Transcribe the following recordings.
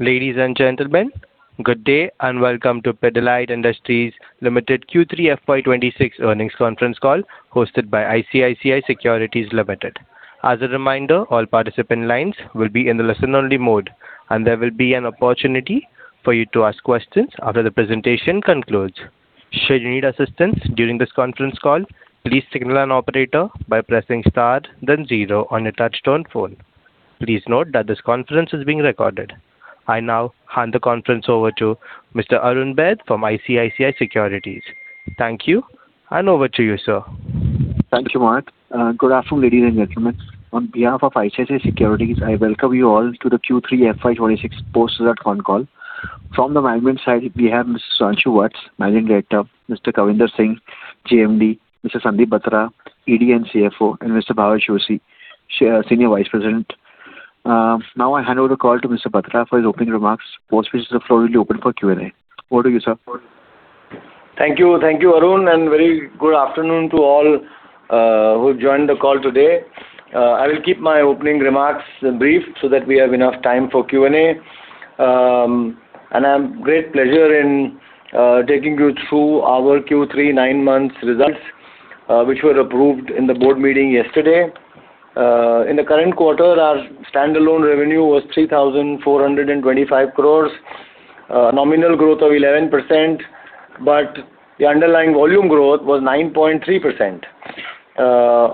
Ladies and gentlemen, good day and welcome to Pidilite Industries Limited Q3 FY 2026 Earnings Conference Call hosted by ICICI Securities Limited. As a reminder, all participant lines will be in the listen-only mode, and there will be an opportunity for you to ask questions after the presentation concludes. Should you need assistance during this conference call, please signal an operator by pressing star then zero on your touch-tone phone. Please note that this conference is being recorded. I now hand the conference over to Mr. Arun Baid from ICICI Securities. Thank you, and over to you, sir. Thank you, Mark. Good afternoon, ladies and gentlemen. On behalf of ICICI Securities, I welcome you all to the Q3 FY 2026 post-result phone call. From the management side, we have Mr. Sudhanshu Vats, Managing Director; Mr. Kavinder Singh, JMD; Mr. Sandeep Batra, ED and CFO; and Mr. Bharat Puri, Senior Vice President. Now I hand over the call to Mr. Batra for his opening remarks. Post conclusion, the floor will be open for Q&A. Over to you, sir. Thank you. Thank you, Arun, and very good afternoon to all who joined the call today. I will keep my opening remarks brief so that we have enough time for Q&A. I have great pleasure in taking you through our Q3 9-month results, which were approved in the board meeting yesterday. In the current quarter, our standalone revenue was 3,425 crore, nominal growth of 11%, but the underlying volume growth was 9.3%.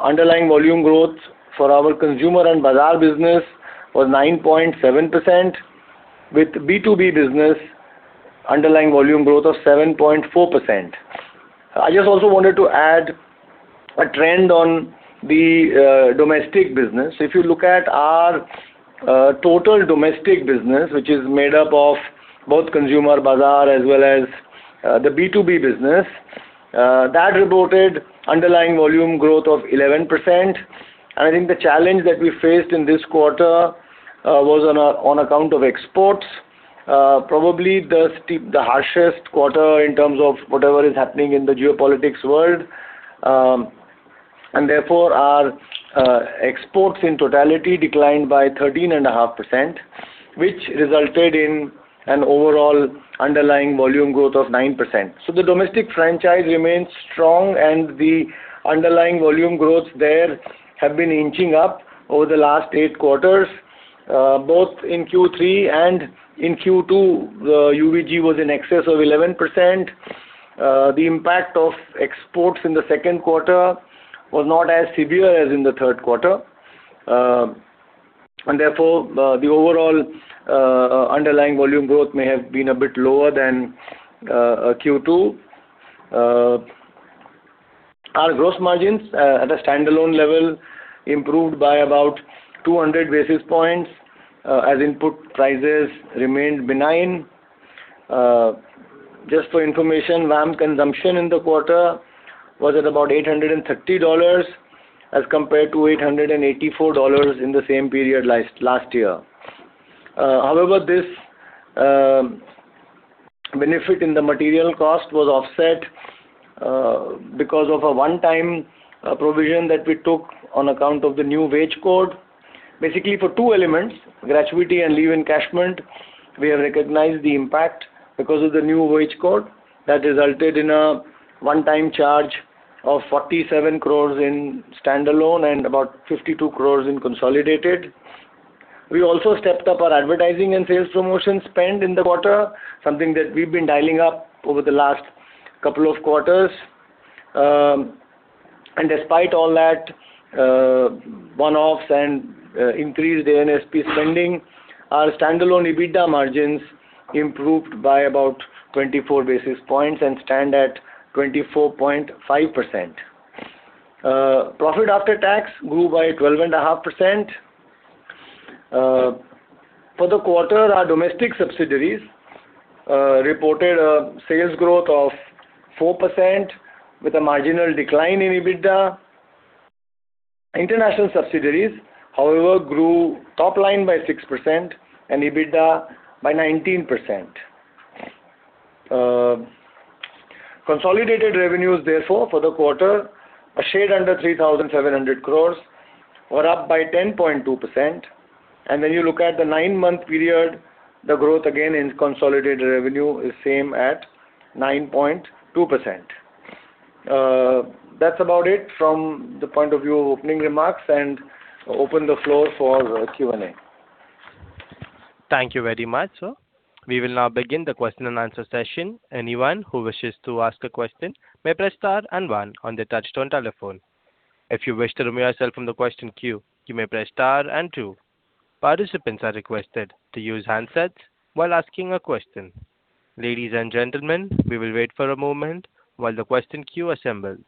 Underlying volume growth for our consumer and bazaar business was 9.7%, with B2B business underlying volume growth of 7.4%. I just also wanted to add a trend on the domestic business. If you look at our total domestic business, which is made up of both consumer, bazaar, as well as the B2B business, that reported underlying volume growth of 11%. And I think the challenge that we faced in this quarter was on account of exports, probably the harshest quarter in terms of whatever is happening in the geopolitics world. And therefore, our exports in totality declined by 13.5%, which resulted in an overall underlying volume growth of 9%. So the domestic franchise remains strong, and the underlying volume growths there have been inching up over the last eight quarters. Both in Q3 and in Q2, the UVG was in excess of 11%. The impact of exports in the second quarter was not as severe as in the third quarter. And therefore, the overall underlying volume growth may have been a bit lower than Q2. Our gross margins at a standalone level improved by about 200 basis points, as input prices remained benign. Just for information, VAM consumption in the quarter was at about $830 as compared to $884 in the same period last year. However, this benefit in the material cost was offset because of a one-time provision that we took on account of the new wage code. Basically, for two elements, gratuity and leave encashment, we have recognized the impact because of the new wage code that resulted in a one-time charge of 47 crore in standalone and about 52 crore in consolidated. We also stepped up our advertising and sales promotion spend in the quarter, something that we've been dialing up over the last couple of quarters. And despite all that, one-offs and increased A&SP spending, our standalone EBITDA margins improved by about 24 basis points and stand at 24.5%. Profit after tax grew by 12.5%. For the quarter, our domestic subsidiaries reported a sales growth of 4% 3% with a marginal decline in EBITDA. International subsidiaries, however, grew top-line by 6% and EBITDA by 19%. Consolidated revenues, therefore, for the quarter, a shade under 3,700 crores, were up by 10.2%. When you look at the nine-month period, the growth again in consolidated revenue is same at 9.2%. That's about it from the point of view of opening remarks, and open the floor for Q&A. Thank you very much, sir. We will now begin the question-and-answer session. Anyone who wishes to ask a question may press star and one on their touch-tone telephone. If you wish to remove yourself from the question queue, you may press star and two. Participants are requested to use handsets while asking a question. Ladies and gentlemen, we will wait for a moment while the question queue assembles.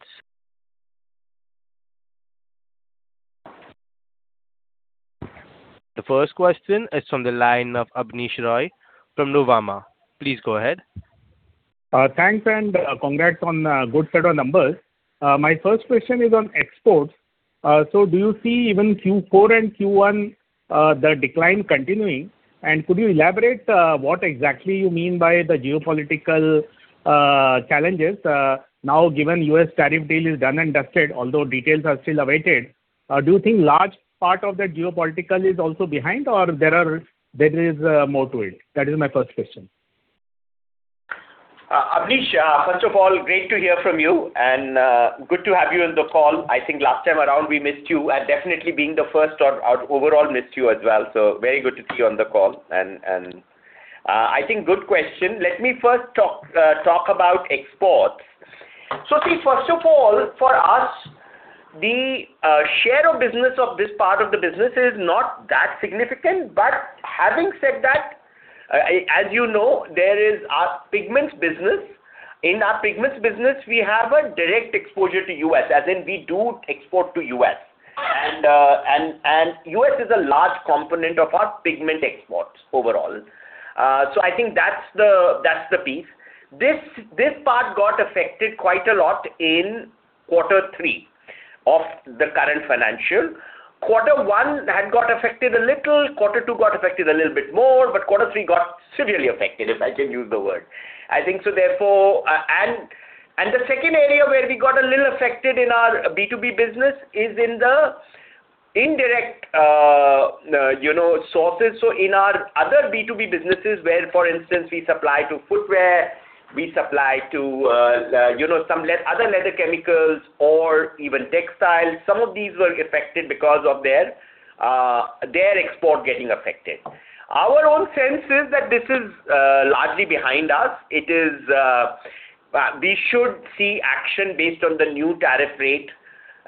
The first question is from the line of Abneesh Roy from Nuvama. Please go ahead. Thanks and congrats on the good set of numbers. My first question is on exports. So do you see even Q4 and Q1 the decline continuing? And could you elaborate what exactly you mean by the geopolitical challenges? Now, given U.S. tariff deal is done and dusted, although details are still awaited, do you think large part of that geopolitical is also behind, or there is more to it? That is my first question. Abneesh, first of all, great to hear from you and good to have you in the call. I think last time around we missed you, and definitely being the first, I overall missed you as well. So very good to see you on the call. And I think good question. Let me first talk about exports. So see, first of all, for us, the share of business of this part of the business is not that significant. But having said that, as you know, there is our pigments business. In our pigments business, we have a direct exposure to U.S., as in we do export to U.S. And U.S. is a large component of our pigment exports overall. So I think that's the piece. This part got affected quite a lot in quarter three of the current financial. Quarter one had got affected a little. Quarter two got affected a little bit more, but quarter three got severely affected, if I can use the word. I think so, therefore. The second area where we got a little affected in our B2B business is in the indirect sources. So in our other B2B businesses, where, for instance, we supply to footwear, we supply to some other leather chemicals, or even textiles, some of these were affected because of their export getting affected. Our own sense is that this is largely behind us. We should see action based on the new tariff rate,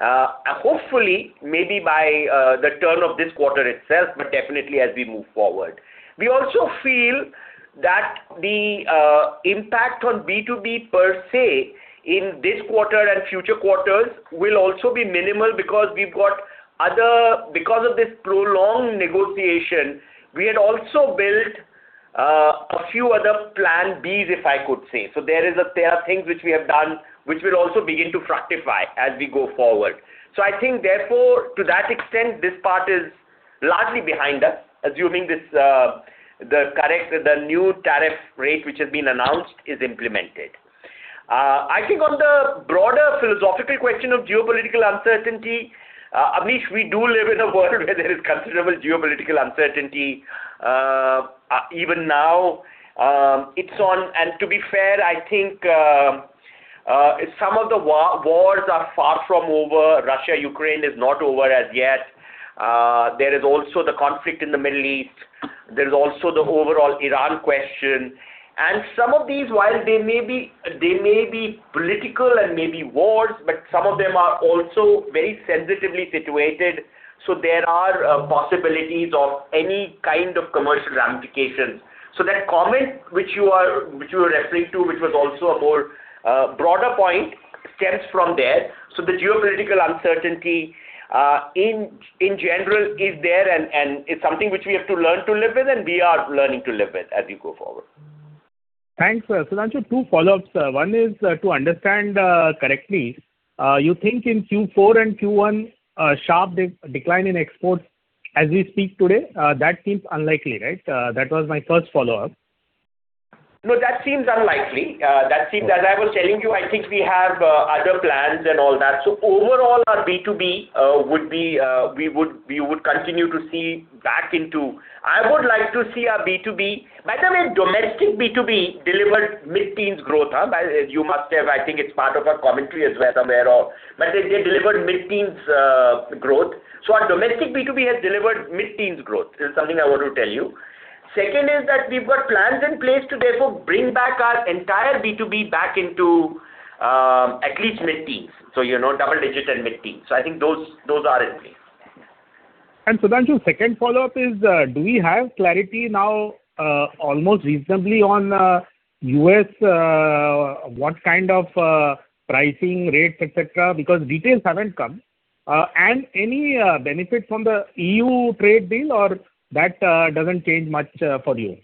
hopefully maybe by the turn of this quarter itself, but definitely as we move forward. We also feel that the impact on B2B per se in this quarter and future quarters will also be minimal because we've got other because of this prolonged negotiation, we had also built a few other plan Bs, if I could say. So there are things which we have done which will also begin to fructify as we go forward. So I think, therefore, to that extent, this part is largely behind us, assuming the new tariff rate, which has been announced, is implemented. I think on the broader philosophical question of geopolitical uncertainty, Abneesh, we do live in a world where there is considerable geopolitical uncertainty. Even now, it's on and to be fair, I think some of the wars are far from over. Russia-Ukraine is not over as yet. There is also the conflict in the Middle East. There is also the overall Iran question. Some of these, while they may be political and may be wars, but some of them are also very sensitively situated. There are possibilities of any kind of commercial ramifications. That comment which you were referring to, which was also a more broader point, stems from there. The geopolitical uncertainty, in general, is there and is something which we have to learn to live with, and we are learning to live with as you go forward. Thanks, Sudhanshu. Two follow-ups, sir. One is to understand correctly, you think in Q4 and Q1, a sharp decline in exports as we speak today, that seems unlikely, right? That was my first follow-up. No, that seems unlikely. As I was telling you, I think we have other plans and all that. So overall, our B2B, we would continue to see back into. I would like to see our B2B, by the way, domestic B2B delivered mid-teens growth, as you must have. I think it's part of our commentary as well somewhere, but they delivered mid-teens growth. So our domestic B2B has delivered mid-teens growth is something I want to tell you. Second is that we've got plans in place to, therefore, bring back our entire B2B back into at least mid-teens, so double-digit and mid-teens. So I think those are in place. Sudhanshu, second follow-up is, do we have clarity now almost reasonably on U.S., what kind of pricing rates, etc., because details haven't come? Any benefit from the E.U. trade deal, or that doesn't change much for you?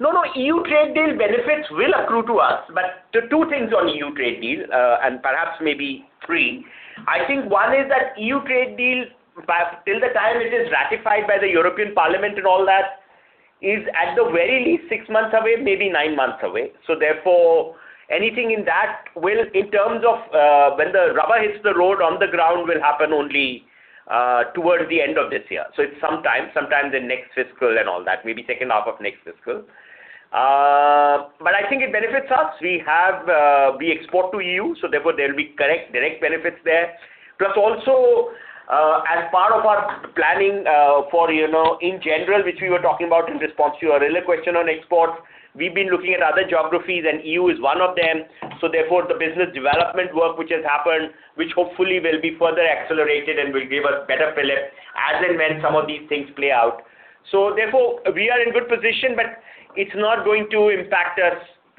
No, no. E.U. trade deal benefits will accrue to us. But two things on E.U. trade deal, and perhaps maybe three. I think one is that E.U. trade deal, till the time it is ratified by the European Parliament and all that, is at the very least six months away, maybe nine months away. So therefore, anything in that will, in terms of when the rubber hits the road on the ground, will happen only towards the end of this year. So it's sometime, sometime the next fiscal and all that, maybe second half of next fiscal. But I think it benefits us. We export to E.U., so therefore, there will be direct benefits there. Plus also, as part of our planning for, in general, which we were talking about in response to your earlier question on exports, we've been looking at other geographies, and E.U. is one of them. So therefore, the business development work which has happened, which hopefully will be further accelerated and will give us better prelim, as in when some of these things play out. So therefore, we are in good position, but it's not going to impact us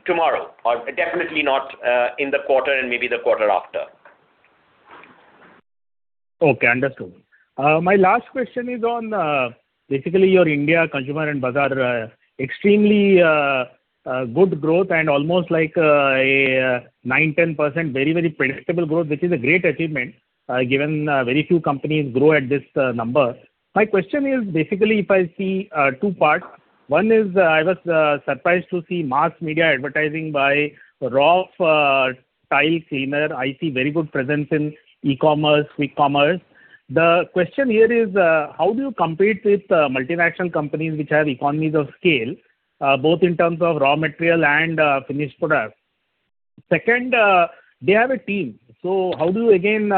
tomorrow, or definitely not in the quarter and maybe the quarter after. Okay, understood. My last question is on, basically, your India consumer and bazaar extremely good growth and almost like a 9%-10%, very, very predictable growth, which is a great achievement given very few companies grow at this number. My question is, basically, if I see two parts, one is I was surprised to see mass media advertising by Roff Tile Cleaner. I see very good presence in e-commerce, quick commerce. The question here is, how do you compete with multinational companies which have economies of scale, both in terms of raw material and finished products? Second, they have a team. So how do you, again,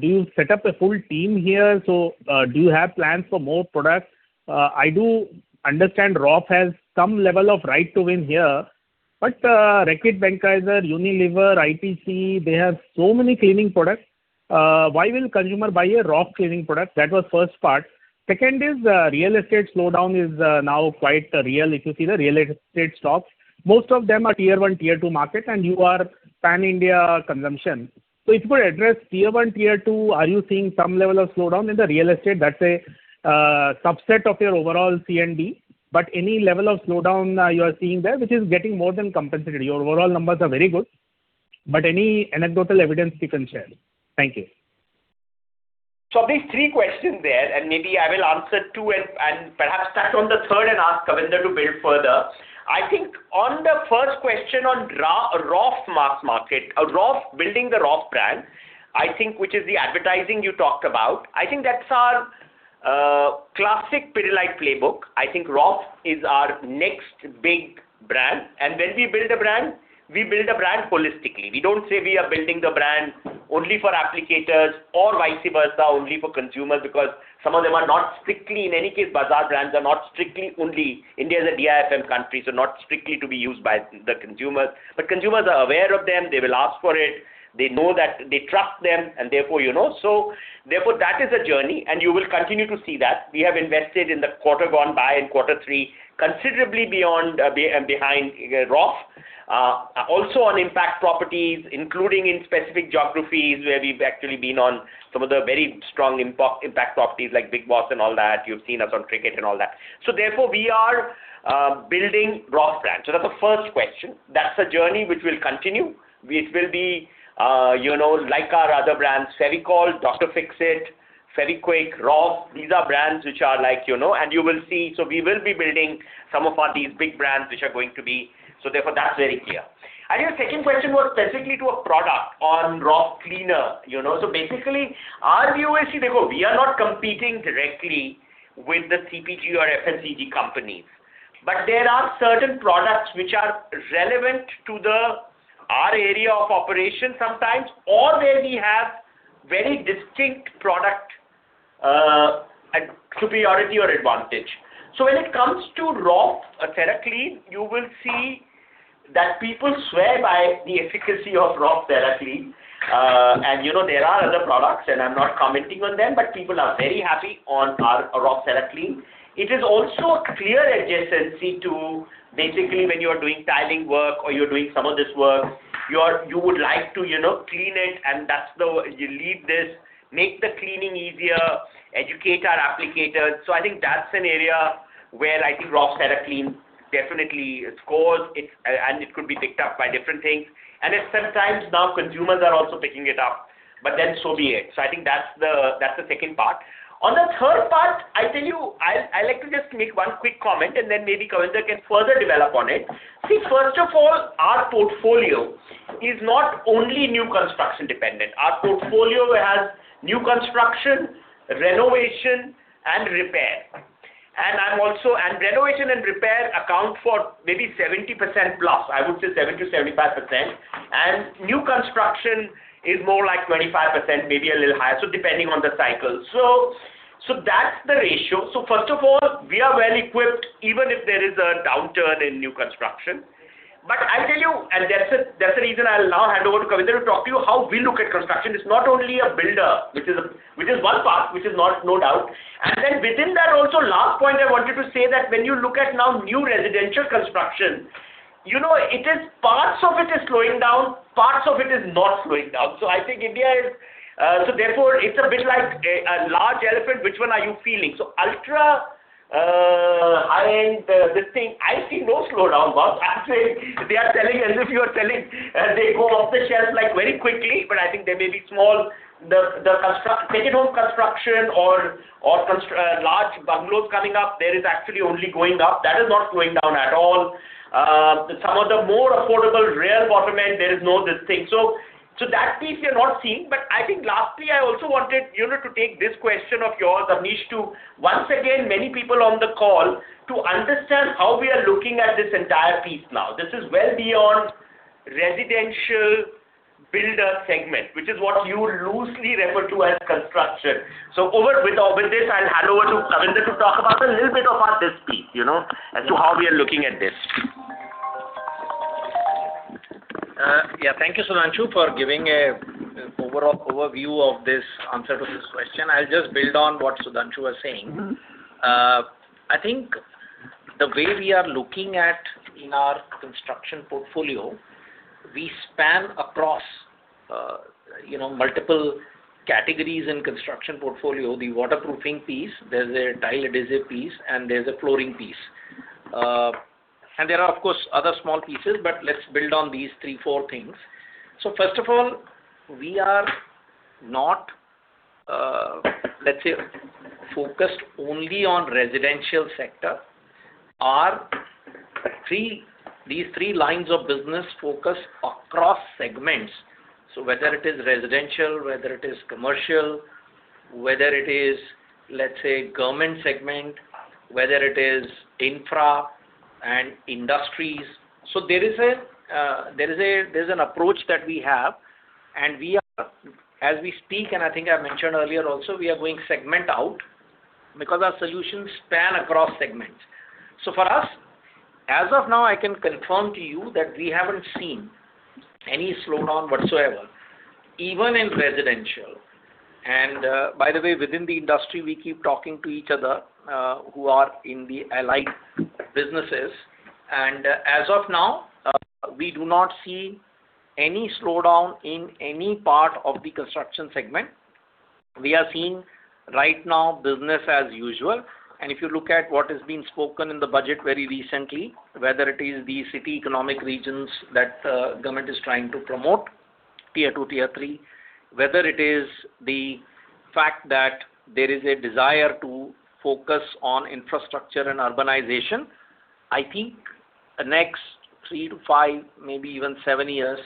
do you set up a full team here? So do you have plans for more products? I do understand Roff has some level of right to win here. But Reckitt Benckiser, Unilever, ITC, they have so many cleaning products. Why will consumer buy a Roff cleaning product? That was first part. Second is, real estate slowdown is now quite real. If you see the real estate stocks, most of them are Tier 1, Tier 2 market, and you are pan-India consumption. So if you could address Tier 1, Tier 2, are you seeing some level of slowdown in the real estate? That's a subset of your overall C&B. But any level of slowdown you are seeing there, which is getting more than compensated. Your overall numbers are very good. But any anecdotal evidence you can share? Thank you. So these three questions there, and maybe I will answer two and perhaps touch on the third and ask Kavinder to build further. I think on the first question on Roff mass market, Roff building the Roff brand, I think, which is the advertising you talked about, I think that's our classic Pidilite playbook. I think Roff is our next big brand. And when we build a brand, we build a brand holistically. We don't say we are building the brand only for applicators or vice versa, only for consumers because some of them are not strictly in any case, bazaar brands are not strictly only India is a DIFM country, so not strictly to be used by the consumers. But consumers are aware of them. They will ask for it. They know that they trust them, and therefore, so therefore, that is a journey, and you will continue to see that. We have invested in the quarter gone by and quarter three considerably beyond and behind Roff, also on impact properties, including in specific geographies where we've actually been on some of the very strong impact properties like Bigg Boss and all that. You've seen us on cricket and all that. So therefore, we are building Roff brands. So that's the first question. That's a journey which will continue. It will be like our other brands, Fevicol, Dr. Fixit, Fevikwik, Roff. These are brands which are like, and you will see so we will be building some of these big brands which are going to be so therefore, that's very clear. And your second question was specifically to a product on Roff Cera Clean. So basically, our view is, see, therefore, we are not competing directly with the CPG or FMCG companies. But there are certain products which are relevant to our area of operation sometimes, or where we have very distinct product superiority or advantage. So when it comes to Roff Cera Clean, you will see that people swear by the efficacy of Roff Cera Clean. And there are other products, and I'm not commenting on them, but people are very happy on our Roff Cera Clean. It is also a clear adjacency to, basically, when you are doing tiling work or you're doing some of this work, you would like to clean it, and that's the you lead this, make the cleaning easier, educate our applicators. So I think that's an area where I think Roff Cera Clean definitely scores, and it could be picked up by different things. And sometimes now consumers are also picking it up, but then so be it. So I think that's the second part. On the third part, I tell you, I like to just make one quick comment, and then maybe Kavinder can further develop on it. See, first of all, our portfolio is not only new construction dependent. Our portfolio has new construction, renovation, and repair. And renovation and repair account for maybe 70%+. I would say 70%-75%. And new construction is more like 25%, maybe a little higher, so depending on the cycle. So that's the ratio. So first of all, we are well equipped, even if there is a downturn in new construction. But I'll tell you, and that's the reason I'll now hand over to Kavinder to talk to you how we look at construction. It's not only a builder, which is one part, which is no doubt. Then within that also, last point, I wanted to say that when you look at now new residential construction, it is parts of it is slowing down, parts of it is not slowing down. So I think India is so therefore, it's a bit like a large elephant. Which one are you feeling? So ultra high-end. This thing, I see no slowdown, boss. I'm saying they are selling as if you are selling they go off the shelf very quickly. But I think there may be small take-home construction or large bungalows coming up. There is actually only going up. That is not slowing down at all. Some of the more affordable real bottom end, there is no this thing. So that piece, you're not seeing. But I think lastly, I also wanted to take this question of yours, Abneesh, to once again, many people on the call, to understand how we are looking at this entire piece now. This is well beyond residential builder segment, which is what you loosely refer to as construction. So with this, I'll hand over to Kavinder to talk about a little bit of this piece as to how we are looking at this. Yeah, thank you, Sudhanshu, for giving an overview of this answer to this question. I'll just build on what Sudhanshu was saying. I think the way we are looking at in our construction portfolio, we span across multiple categories in construction portfolio. The waterproofing piece, there's a tile adhesive piece, and there's a flooring piece. And there are, of course, other small pieces, but let's build on these three, four things. So first of all, we are not, let's say, focused only on residential sector. These three lines of business focus across segments. So whether it is residential, whether it is commercial, whether it is, let's say, government segment, whether it is infra and industries. So there is an approach that we have. And as we speak, and I think I mentioned earlier also, we are going segment out because our solutions span across segments. So for us, as of now, I can confirm to you that we haven't seen any slowdown whatsoever, even in residential. And by the way, within the industry, we keep talking to each other who are in the allied businesses. And as of now, we do not see any slowdown in any part of the construction segment. We are seeing right now business as usual. And if you look at what has been spoken in the budget very recently, whether it is the city economic regions that government is trying to promote Tier 2, Tier 3, whether it is the fact that there is a desire to focus on infrastructure and urbanization, I think the next three to five, maybe even seven years,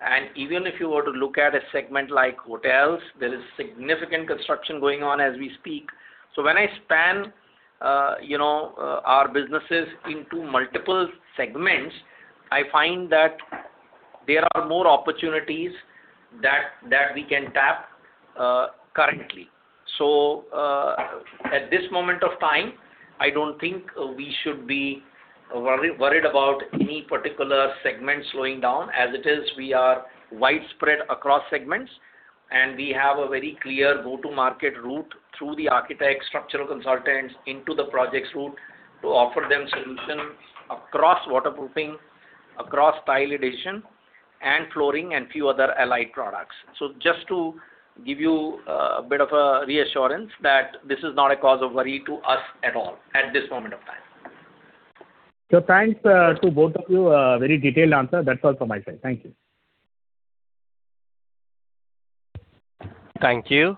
and even if you were to look at a segment like hotels, there is significant construction going on as we speak. So when I span our businesses into multiple segments, I find that there are more opportunities that we can tap currently. So at this moment of time, I don't think we should be worried about any particular segment slowing down. As it is, we are widespread across segments, and we have a very clear go-to-market route through the architect, structural consultants, into the projects route to offer them solutions across waterproofing, across tile adhesion, and flooring, and few other allied products. So just to give you a bit of a reassurance that this is not a cause of worry to us at all at this moment of time. Thanks to both of you. Very detailed answer. That's all from my side. Thank you. Thank you.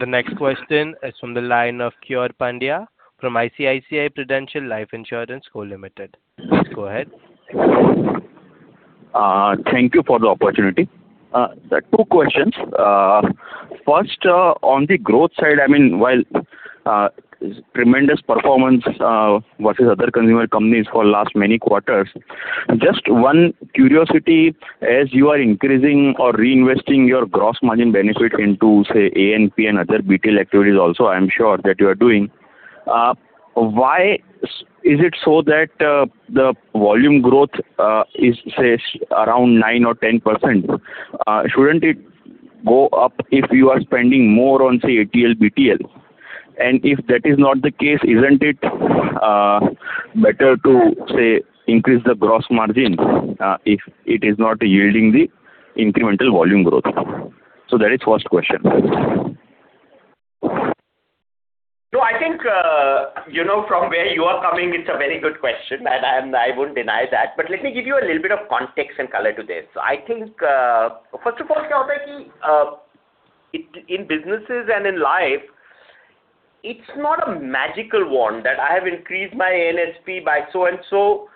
The next question is from the line of Keyur Pandya from ICICI Prudential Life Insurance Co., Ltd. Please go ahead. Thank you for the opportunity. Two questions. First, on the growth side, I mean, while tremendous performance versus other consumer companies for the last many quarters, just one curiosity, as you are increasing or reinvesting your gross margin benefit into, say, ANP and other BTL activities also, I am sure that you are doing, why is it so that the volume growth is, say, around 9% or 10%? Shouldn't it go up if you are spending more on, say, ATL, BTL? And if that is not the case, isn't it better to, say, increase the gross margin if it is not yielding the incremental volume growth? So that is the first question. No, I think from where you are coming, it's a very good question, and I won't deny that. But let me give you a little bit of context and color to this. So I think, first of all, what happens is that in businesses and in life, it's not a magical wand that I have increased my ANSP by so-and-so,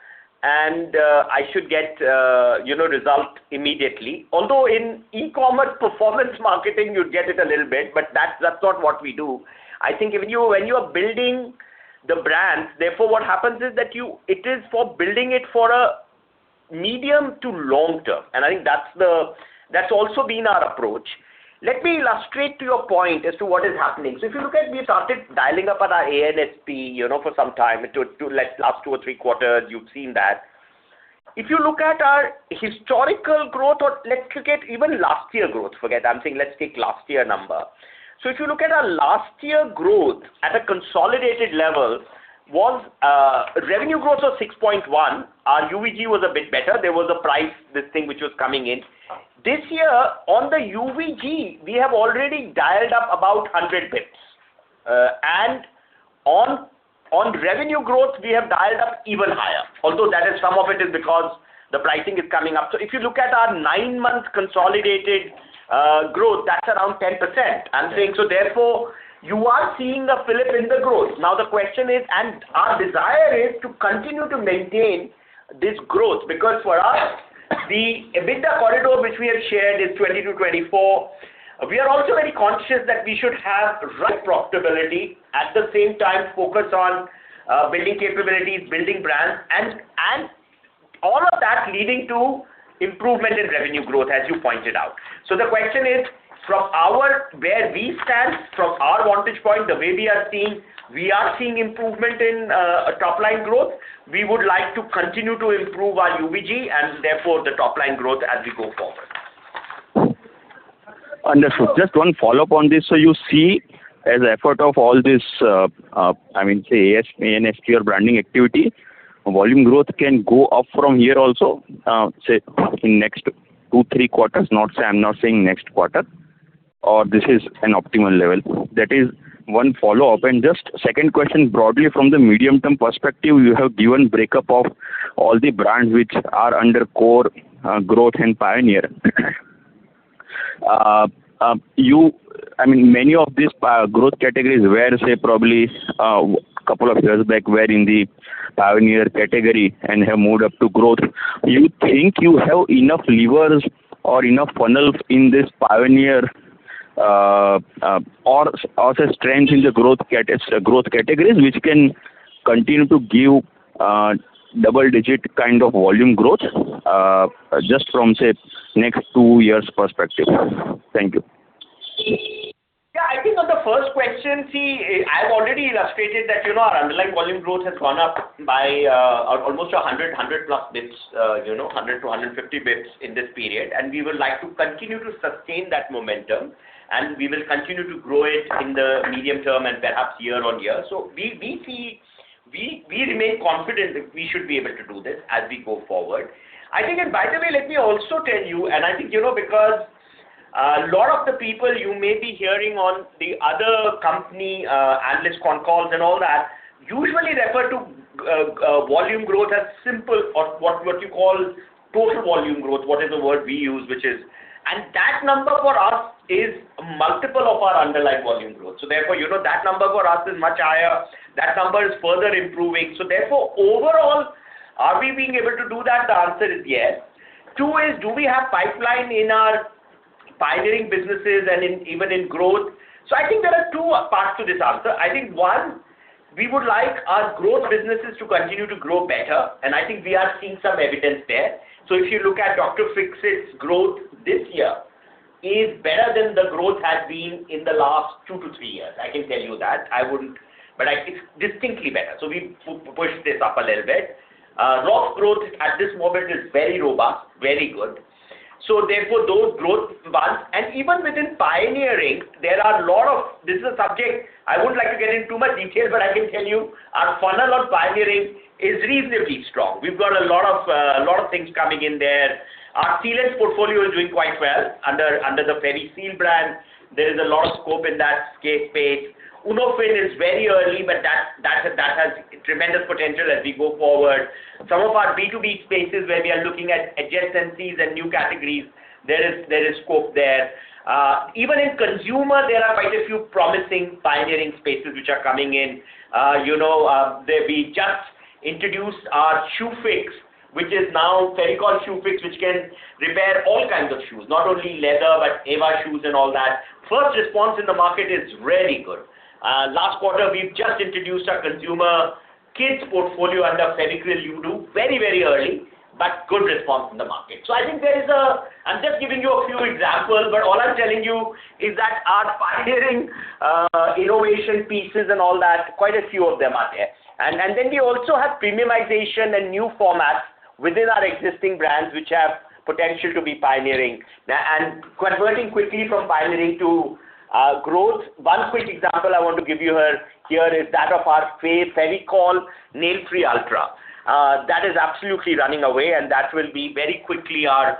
and I should get results immediately. Although in e-commerce performance marketing, you'd get it a little bit, but that's not what we do. I think when you are building the brands, therefore, what happens is that it is for building it for a medium to long term. And I think that's also been our approach. Let me illustrate to your point as to what is happening. So if you look at. Started dialing up on our ANSP for some time, last two or three quarters, you've seen that. If you look at our historical growth, or let's look at even last year growth. Forget it. I'm saying let's take last year number. So if you look at our last year growth at a consolidated level, revenue growth was 6.1%. Our UVG was a bit better. There was a price, this thing, which was coming in. This year, on the UVG, we have already dialed up about 100 basis points. And on revenue growth, we have dialed up even higher, although some of it is because the pricing is coming up. So if you look at our nine-month consolidated growth, that's around 10%. So therefore, you are seeing a flip in the growth. Now, the question is, and our desire is to continue to maintain this growth because for us, the EBITDA corridor, which we have shared, is 20%-24%. We are also very conscious that we should have right profitability at the same time, focus on building capabilities, building brands, and all of that leading to improvement in revenue growth, as you pointed out. So the question is, from where we stand, from our vantage point, the way we are seeing, we are seeing improvement in top-line growth. We would like to continue to improve our UVG and therefore the top-line growth as we go forward. Understood. Just one follow-up on this. So you see, as an effort of all this, I mean, say, ANSP or branding activity, volume growth can go up from here also, say, in the next two to three quarters. I'm not saying next quarter, or this is an optimal level. That is one follow-up. And just second question, broadly, from the medium-term perspective, you have given breakup of all the brands which are under core growth and pioneer. I mean, many of these growth categories were, say, probably a couple of years back, were in the pioneer category and have moved up to growth. You think you have enough levers or enough funnels in this pioneer or strengths in the growth categories which can continue to give double-digit kind of volume growth just from, say, next two years perspective? Thank you. Yeah, I think on the first question, see, I've already illustrated that our underlying volume growth has gone up by almost 100+ bps, 100-150 bps in this period. We would like to continue to sustain that momentum, and we will continue to grow it in the medium term and perhaps year-on-year. We remain confident that we should be able to do this as we go forward. I think, and by the way, let me also tell you, and I think because a lot of the people you may be hearing on the other company analysts' calls and all that usually refer to volume growth as simple or what you call total volume growth, what is the word we use, which is and that number for us is a multiple of our underlying volume growth. Therefore, that number for us is much higher. That number is further improving. So therefore, overall, are we being able to do that? The answer is yes. Two is, do we have pipeline in our pioneering businesses and even in growth? So I think there are two parts to this answer. I think, one, we would like our growth businesses to continue to grow better, and I think we are seeing some evidence there. So if you look at Dr. Fixit's growth this year, it is better than the growth had been in the last two to three years. I can tell you that. But it's distinctly better. So we pushed this up a little bit. Roff growth at this moment is very robust, very good. So therefore, those growth ones. Even within pioneering, this is a subject I wouldn't like to get into too much detail, but I can tell you our funnel on pioneering is reasonably strong. We've got a lot of things coming in there. Our sealant portfolio is doing quite well under the Feviseal brand. There is a lot of scope in that space. UnoFin is very early, but that has tremendous potential as we go forward. Some of our B2B spaces where we are looking at adjacencies and new categories, there is scope there. Even in consumer, there are quite a few promising pioneering spaces which are coming in. We just introduced our shoe fix, which is now Fevicol Shoefix, which can repair all kinds of shoes, not only leather but EVA shoes and all that. First response in the market is really good. Last quarter, we've just introduced our consumer kids' portfolio under Fevicryl YouDo very, very early, but good response in the market. So I think there is. I'm just giving you a few examples, but all I'm telling you is that our pioneering innovation pieces and all that, quite a few of them are there. And then we also have premiumization and new formats within our existing brands which have potential to be pioneering and converting quickly from pioneering to growth. One quick example I want to give you here is that of our Fevicol Nail Free Ultra. That is absolutely running away, and that will be very quickly our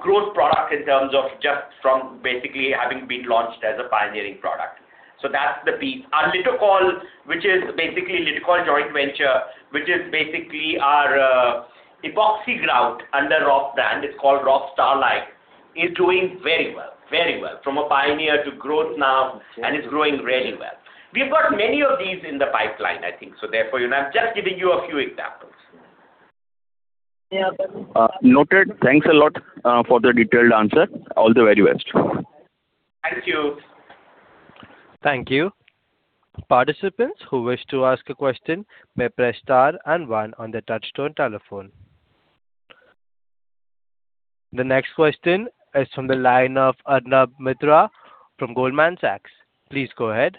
growth product in terms of just from basically having been launched as a pioneering product. So that's the piece. Our Litokol, which is basically Litokol joint venture, which is basically our epoxy grout under Roff brand, it's called Roff Starlike, is doing very well, very well, from a pioneer to growth now, and it's growing really well. We've got many of these in the pipeline, I think. So therefore, I'm just giving you a few examples. Yeah, but. Noted. Thanks a lot for the detailed answer. All the very best. Thank you. Thank you. Participants who wish to ask a question may press star and one on the touch-tone telephone. The next question is from the line of Arnab Mitra from Goldman Sachs. Please go ahead.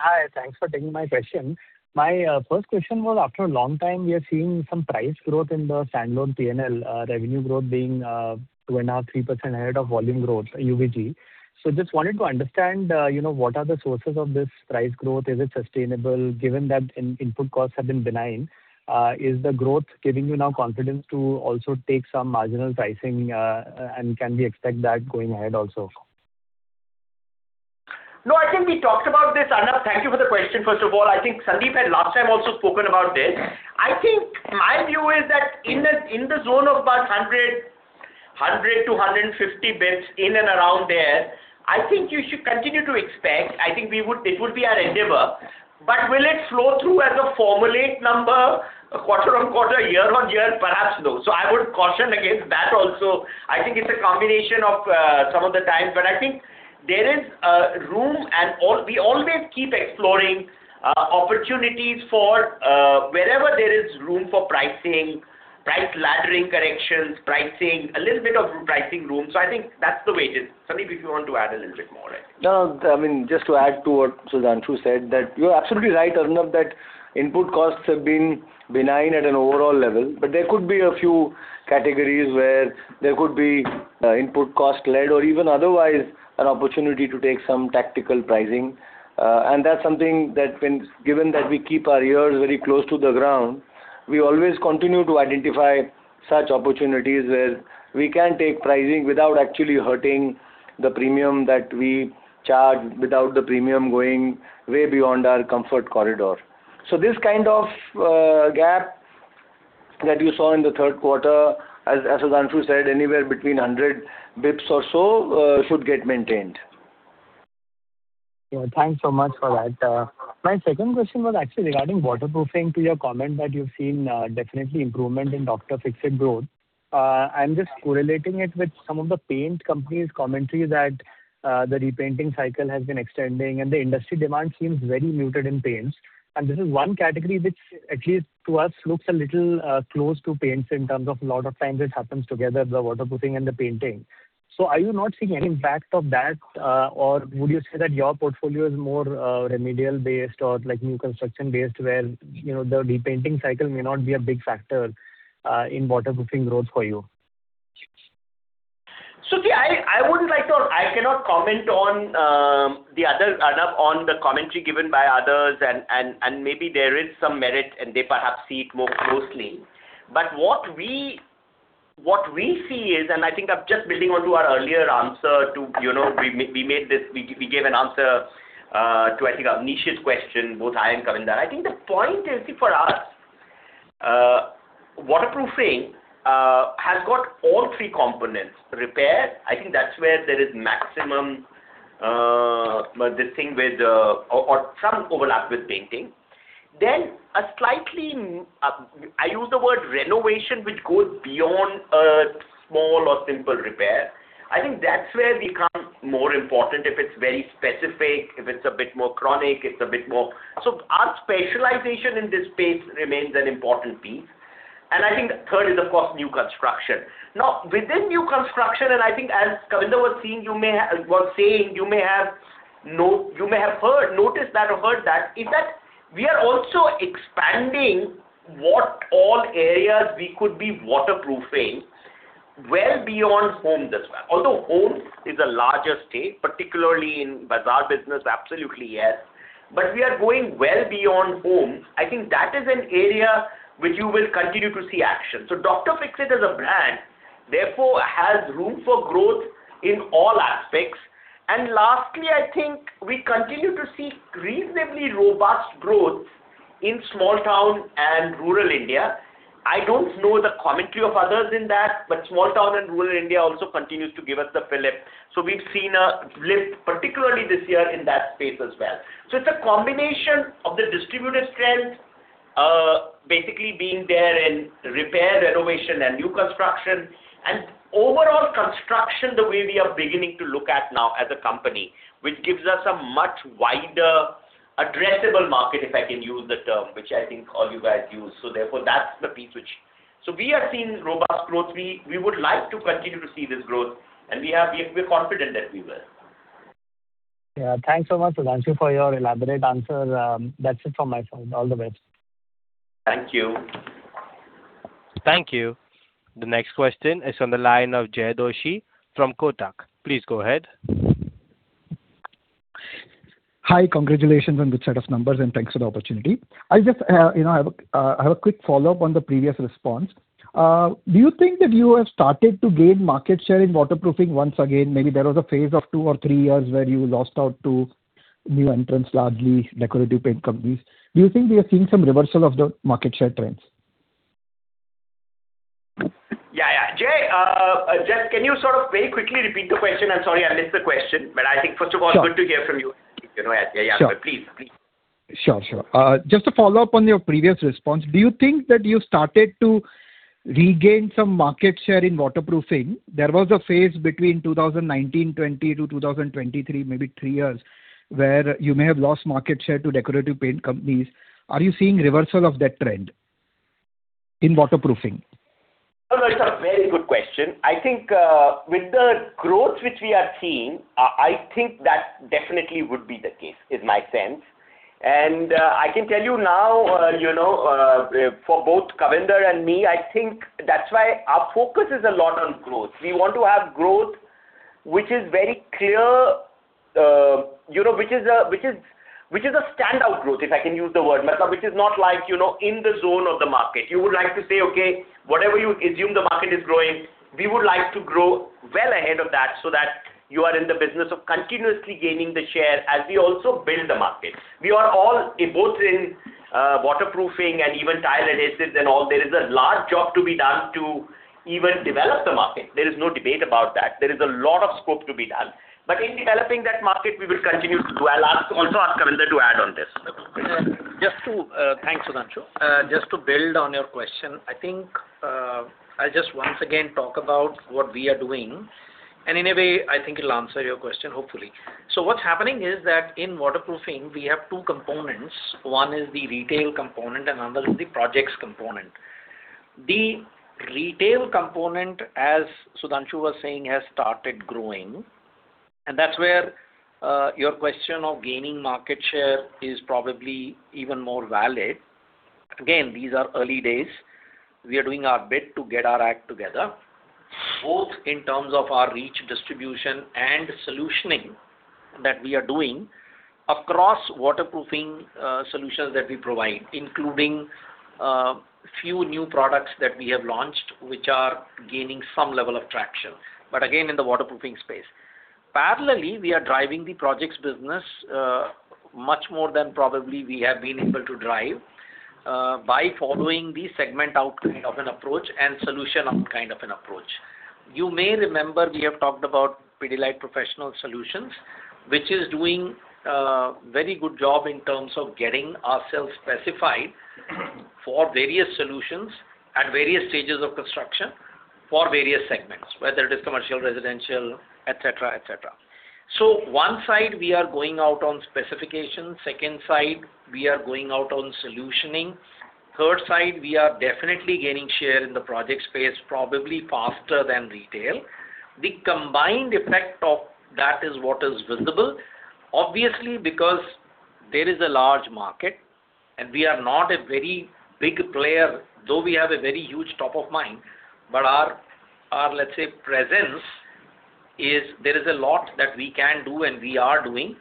Hi. Thanks for taking my question. My first question was, after a long time, we are seeing some price growth in the standalone P&L, revenue growth being 2.5%-3% ahead of volume growth, UVG. So I just wanted to understand what are the sources of this price growth? Is it sustainable? Given that input costs have been benign, is the growth giving you now confidence to also take some marginal pricing, and can we expect that going ahead also? No, I think we talked about this, Arnab. Thank you for the question, first of all. I think Sandeep had last time also spoken about this. I think my view is that in the zone of about 100-150 basis points in and around there, I think you should continue to expect. I think it would be our endeavor. But will it flow through as a formulate number quarter-on-quarter, year-on-year? Perhaps no. So I would caution against that also. I think it's a combination of some of the times. But I think there is room, and we always keep exploring opportunities for wherever there is room for pricing, price laddering corrections, pricing, a little bit of pricing room. So I think that's the way it is. Sandeep, if you want to add a little bit more, I think. No, no. I mean, just to add to what Sudhanshu said, that you're absolutely right, Arnab, that input costs have been benign at an overall level. But there could be a few categories where there could be input cost-led or even otherwise an opportunity to take some tactical pricing. And that's something that, given that we keep our ears very close to the ground, we always continue to identify such opportunities where we can take pricing without actually hurting the premium that we charge, without the premium going way beyond our comfort corridor. So this kind of gap that you saw in the third quarter, as Sudhanshu said, anywhere between 100 basis points or so should get maintained. Yeah, thanks so much for that. My second question was actually regarding waterproofing to your comment that you've seen definitely improvement in Dr. Fixit growth. I'm just correlating it with some of the paint companies' commentary that the repainting cycle has been extending, and the industry demand seems very muted in paints. And this is one category which, at least to us, looks a little close to paints in terms of a lot of times it happens together, the waterproofing and the painting. So are you not seeing any impact of that, or would you say that your portfolio is more remedial-based or new construction-based where the repainting cycle may not be a big factor in waterproofing growth for you? So see, I wouldn't like to I cannot comment on the other, Arnab, on the commentary given by others, and maybe there is some merit, and they perhaps see it more closely. But what we see is, and I think I'm just building onto our earlier answer to we made this we gave an answer to, I think, Abneesh's question, both I and Kavinder. I think the point is, see, for us, waterproofing has got all three components: repair. I think that's where there is maximum this thing with or some overlap with painting. Then a slightly I use the word renovation, which goes beyond a small or simple repair. I think that's where. Become more important if it's very specific, if it's a bit more chronic, it's a bit more. So our specialization in this space remains an important piece. And I think third is, of course, new construction. Now, within new construction, and I think, as Kavinder was saying, you may have noticed that or heard that, is that we are also expanding what all areas we could be waterproofing well beyond homes as well. Although homes is a larger stake, particularly in bazaar business, absolutely yes. But we are going well beyond homes. I think that is an area which you will continue to see action. So Dr. Fixit, as a brand, therefore, has room for growth in all aspects. And lastly, I think we continue to see reasonably robust growths in small-town and rural India. I don't know the commentary of others in that, but small-town and rural India also continues to give us the lift. So we've seen a lift, particularly this year, in that space as well. So it's a combination of the distributed strength basically being there in repair, renovation, and new construction, and overall construction the way we are beginning to look at now as a company, which gives us a much wider addressable market, if I can use the term, which I think all you guys use. So therefore, that's the piece which so we are seeing robust growth. We would like to continue to see this growth, and we're confident that we will. Yeah, thanks so much, Sudhanshu, for your elaborate answer. That's it from my side. All the best. Thank you. Thank you. The next question is on the line of Jay Doshi from Kotak. Please go ahead. Hi. Congratulations on this set of numbers, and thanks for the opportunity. I just have a quick follow-up on the previous response. Do you think that you have started to gain market share in waterproofing once again? Maybe there was a phase of two or three years where you lost out to new entrants, largely decorative paint companies. Do you think we are seeing some reversal of the market share trends? Yeah, yeah. Jay, just can you sort of very quickly repeat the question? I'm sorry I missed the question, but I think, first of all, good to hear from you. Yeah, yeah, yeah. Please, please. Sure, sure. Just a follow-up on your previous response. Do you think that you started to regain some market share in waterproofing? There was a phase between 2019, 2020, to 2023, maybe three years, where you may have lost market share to decorative paint companies. Are you seeing reversal of that trend in waterproofing? Oh, no. It's a very good question. I think with the growth which we are seeing, I think that definitely would be the case, is my sense. And I can tell you now, for both Kavinder and me, I think that's why our focus is a lot on growth. We want to have growth which is very clear, which is a standout growth, if I can use the word, which is not in the zone of the market. You would like to say, "Okay, whatever you assume the market is growing, we would like to grow well ahead of that so that you are in the business of continuously gaining the share as we also build the market." We are all both in waterproofing and even tile adhesives and all. There is a large job to be done to even develop the market. There is no debate about that. There is a lot of scope to be done. But in developing that market, we will continue to do. I'll also ask Kavinder to add on this. Just to thank, Suzan Shu. Just to build on your question, I think I'll just once again talk about what we are doing. And in a way, I think it'll answer your question, hopefully. So what's happening is that in waterproofing, we have two components. One is the retail component, and another is the projects component. The retail component, as Suzan Shu was saying, has started growing. And that's where your question of gaining market share is probably even more valid. Again, these are early days. We are doing our bit to get our act together, both in terms of our reach, distribution, and solutioning that we are doing across waterproofing solutions that we provide, including a few new products that we have launched which are gaining some level of traction, but again, in the waterproofing space. Parallelly, we are driving the projects business much more than probably we have been able to drive by following the segment-out kind of an approach and solution-out kind of an approach. You may remember we have talked about Pidilite Professional Solutions, which is doing a very good job in terms of getting ourselves specified for various solutions at various stages of construction for various segments, whether it is commercial, residential, etc., etc. So one side, we are going out on specification. Second side, we are going out on solutioning. Third side, we are definitely gaining share in the project space, probably faster than retail. The combined effect of that is what is visible, obviously, because there is a large market, and we are not a very big player, though we have a very huge top of mind. But our, let's say, presence is there is a lot that we can do, and we are doing.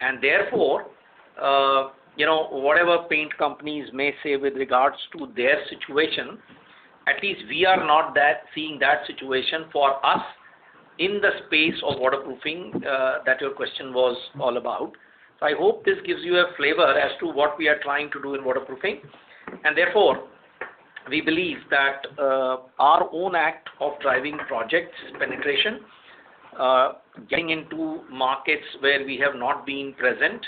And therefore, whatever paint companies may say with regards to their situation, at least we are not seeing that situation for us in the space of waterproofing that your question was all about. So I hope this gives you a flavor as to what we are trying to do in waterproofing. And therefore, we believe that our own act of driving projects, penetration, getting into markets where we have not been present,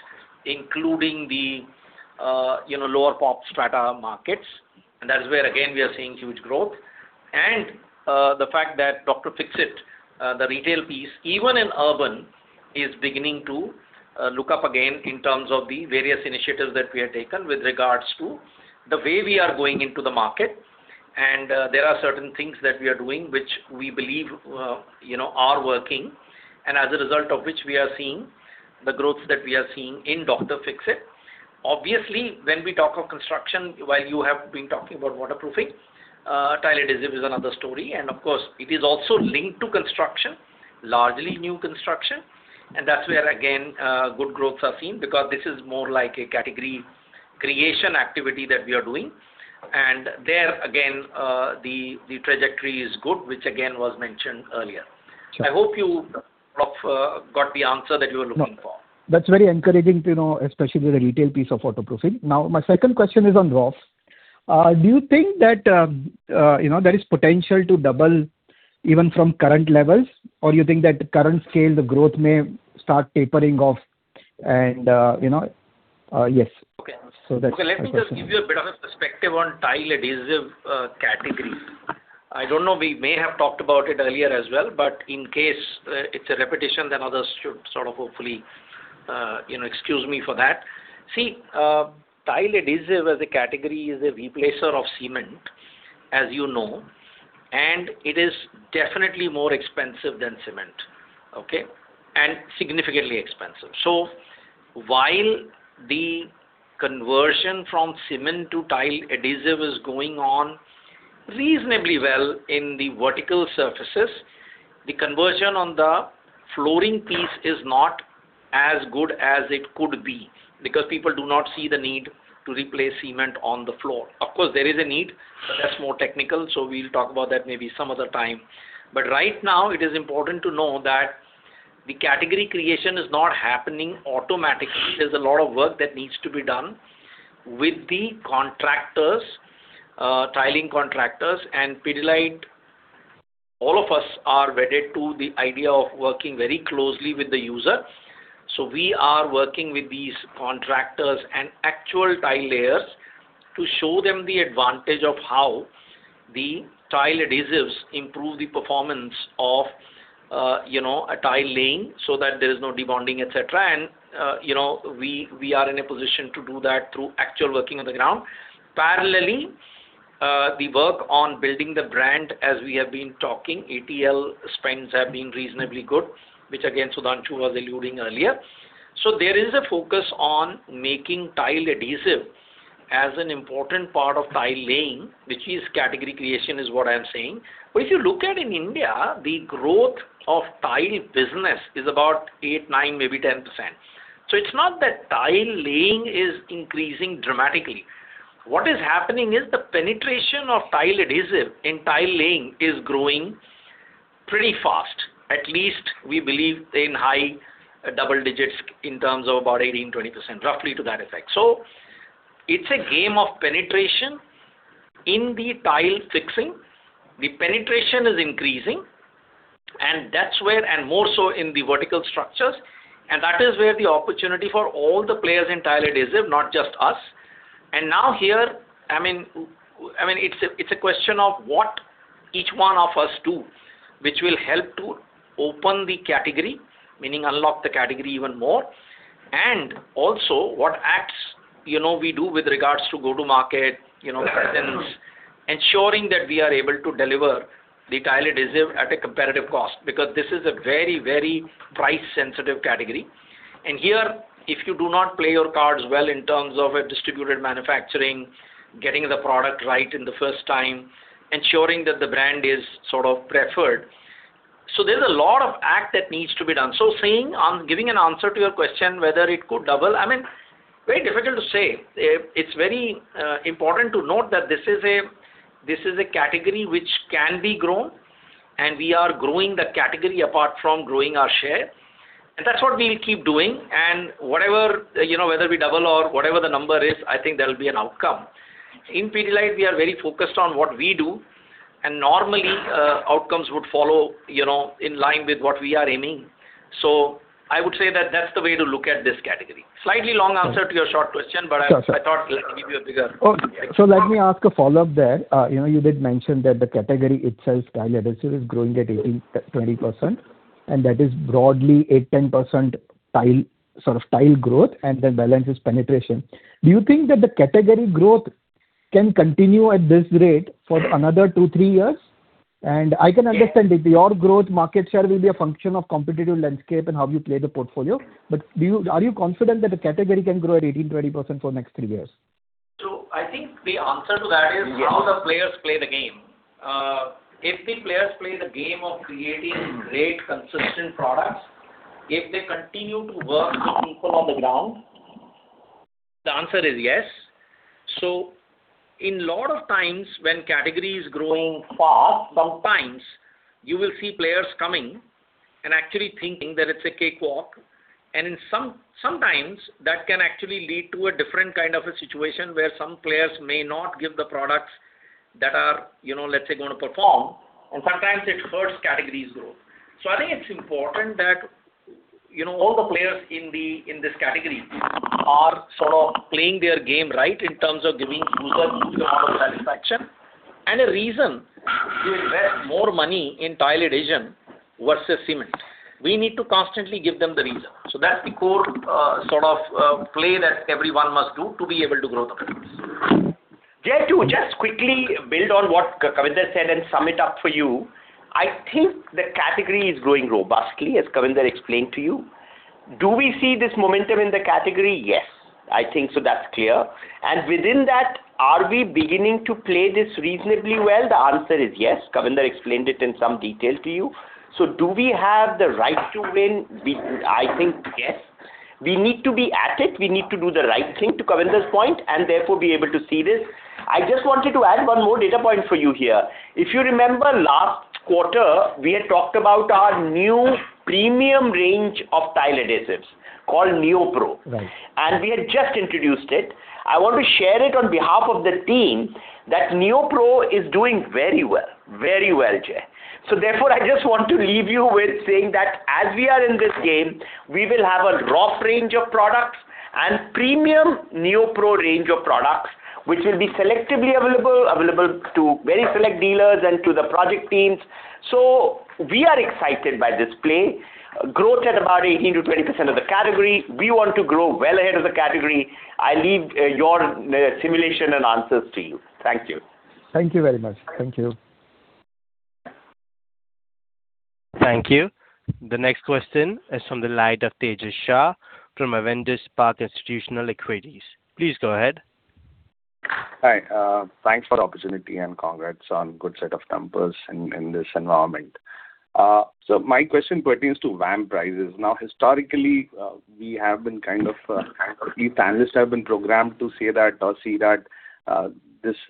including the lower pop strata markets - and that is where, again, we are seeing huge growth - and the fact that Dr. Fixit, the retail piece, even in urban, is beginning to look up again in terms of the various initiatives that we have taken with regards to the way we are going into the market. And there are certain things that we are doing which we believe are working, and as a result of which, we are seeing the growths that we are seeing in Dr. Fixit. Obviously, when we talk of construction, while you have been talking about waterproofing, tile adhesive is another story. And of course, it is also linked to construction, largely new construction. And that's where, again, good growths are seen because this is more like a category creation activity that we are doing. And there, again, the trajectory is good, which, again, was mentioned earlier. I hope you sort of got the answer that you were looking for. That's very encouraging, especially the retail piece of waterproofing. Now, my second question is on Roff. Do you think that there is potential to double even from current levels, or do you think that current scale, the growth, may start tapering off? And yes. Okay. Okay. Let me just give you a bit of a perspective on tile adhesive category. I don't know. We may have talked about it earlier as well. But in case it's a repetition, then others should sort of hopefully excuse me for that. See, tile adhesive as a category is a replacer of cement, as you know. And it is definitely more expensive than cement, okay, and significantly expensive. So while the conversion from cement to tile adhesive is going on reasonably well in the vertical surfaces, the conversion on the flooring piece is not as good as it could be because people do not see the need to replace cement on the floor. Of course, there is a need, but that's more technical. So we'll talk about that maybe some other time. But right now, it is important to know that the category creation is not happening automatically. There's a lot of work that needs to be done with the tiling contractors. All of us are wedded to the idea of working very closely with the user. We are working with these contractors and actual tile layers to show them the advantage of how the tile adhesives improve the performance of a tile laying so that there is no de-bonding, etc. We are in a position to do that through actual working on the ground. Parallelly, the work on building the brand, as we have been talking, ATL spends have been reasonably good, which, again, Sudhanshu was alluding earlier. There is a focus on making tile adhesive as an important part of tile laying, which category creation is what I'm saying. If you look at in India, the growth of tile business is about 8%-10%. So it's not that tile laying is increasing dramatically. What is happening is the penetration of tile adhesive in tile laying is growing pretty fast, at least we believe in high double digits in terms of about 18%-20%, roughly to that effect. So it's a game of penetration in the tile fixing. The penetration is increasing, and more so in the vertical structures. And that is where the opportunity for all the players in tile adhesive, not just us. And now here, I mean, it's a question of what each one of us do, which will help to open the category, meaning unlock the category even more, and also what acts we do with regards to go-to-market presence, ensuring that we are able to deliver the tile adhesive at a competitive cost because this is a very, very price-sensitive category. And here, if you do not play your cards well in terms of distributed manufacturing, getting the product right in the first time, ensuring that the brand is sort of preferred. So there's a lot of act that needs to be done. So giving an answer to your question whether it could double, I mean, very difficult to say. It's very important to note that this is a category which can be grown. And we are growing the category apart from growing our share. And that's what we'll keep doing. And whether we double or whatever the number is, I think there'll be an outcome. In Pidilite, we are very focused on what we do. And normally, outcomes would follow in line with what we are aiming. So I would say that that's the way to look at this category. Slightly long answer to your short question, but I thought I'd give you a bigger idea. Okay. So let me ask a follow-up there. You did mention that the category itself, tile adhesive, is growing at 18%-20%. And that is broadly 8%-10% sort of tile growth, and the balance is penetration. Do you think that the category growth can continue at this rate for another two to three years? And I can understand if your growth market share will be a function of competitive landscape and how you play the portfolio. But are you confident that the category can grow at 18%-20% for the next three years? So I think the answer to that is how the players play the game. If the players play the game of creating great, consistent products, if they continue to work with people on the ground, the answer is yes. So in a lot of times, when category is growing fast, sometimes you will see players coming and actually thinking that it's a cakewalk. And sometimes, that can actually lead to a different kind of a situation where some players may not give the products that are, let's say, going to perform. And sometimes, it hurts category's growth. So I think it's important that all the players in this category are sort of playing their game right in terms of giving users a good amount of satisfaction and a reason to invest more money in tile adhesion versus cement. We need to constantly give them the reason. So that's the core sort of play that everyone must do to be able to grow the business. Jay, too, just quickly build on what Kavinder said and sum it up for you. I think the category is growing robustly, as Kavinder explained to you. Do we see this momentum in the category? Yes, I think so. That's clear. And within that, are we beginning to play this reasonably well? The answer is yes. Kavinder explained it in some detail to you. So do we have the right to win? I think yes. We need to be at it. We need to do the right thing, to Kavinder's point, and therefore be able to see this. I just wanted to add one more data point for you here. If you remember, last quarter, we had talked about our new premium range of tile adhesives called NeoPro. We had just introduced it. I want to share it on behalf of the team that NeoPro is doing very well, very well, Jay. So therefore, I just want to leave you with saying that as we are in this game, we will have a core range of products and premium NeoPro range of products, which will be selectively available to very select dealers and to the project teams. So we are excited by this play, growth at about 18%-20% of the category. We want to grow well ahead of the category. I leave your simulation and answers to you. Thank you. Thank you very much. Thank you. Thank you. The next question is from the line of Tejas Shah from Avendus Spark Institutional Equities. Please go ahead. Hi. Thanks for the opportunity, and congrats on a good set of numbers in this environment. So my question pertains to VAM prices. Now, historically, we have been kind of these analysts have been programmed to say that or see that